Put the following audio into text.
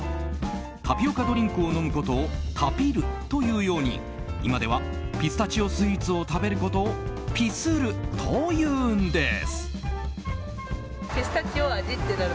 タピオカドリンクを飲むことをタピると言うように今ではピスタチオスイーツを食べることをピスると言うんです。